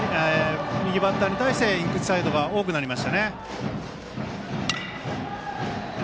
右バッターに対してインサイドが多くなりましたね。